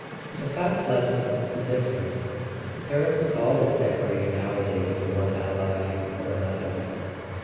The fact left him indifferent: Paris was always decorating nowadays for one ally or another.